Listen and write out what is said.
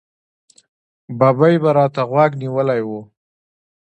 ببۍ به را ته غوږ نیولی و.